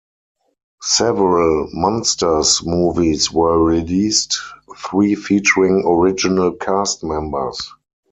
Several "Munsters" movies were released, three featuring original cast members.